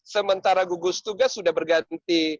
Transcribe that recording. karena cara gugus tugas sudah berganti